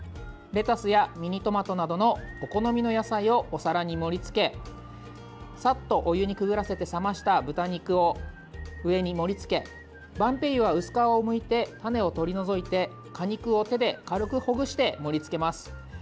レタスやミニトマトなどのお好みの野菜をお皿に盛りつけさっとお湯にくぐらせて冷ました豚肉を上に盛りつけばんぺいゆは、薄皮をむいて種を取り除いて果肉を手で軽くほぐして盛りつけます。